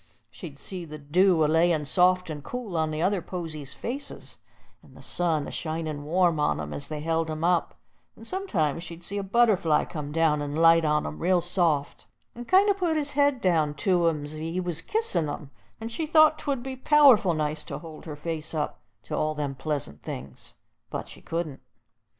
She'd see the dew a layin' soft and cool on the other posies' faces, and the sun a shinin' warm on 'em as they held 'em up, and sometimes she'd see a butterfly come down and light on 'em real soft, and kind o' put his head down to 'em's if he was kissin' 'em, and she thought 'twould be powerful nice to hold her face up to all them pleasant things. But she couldn't.